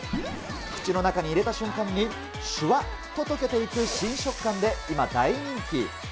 口の中に入れた瞬間に、しゅわっと溶けていく新食感で今大人気。